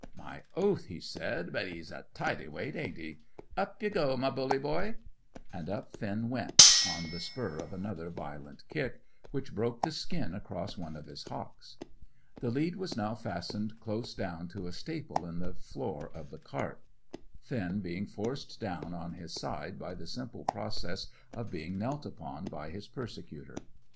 "My oath!" he said, "but 'e's a tidy weight, ain't he? Up ye go, my bully boy!" And up Finn went, on the spur of another violent kick, which broke the skin across one of his hocks. The lead was now fastened close down to a staple in the floor of the cart, Finn being forced down on his side by the simple process of being knelt upon by his persecutor.